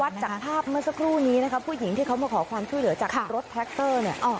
วัดจากภาพเมื่อสักครู่นี้ผู้หญิงที่เขามาขอความช่วยเหลือจากรถแพ็กเตอร์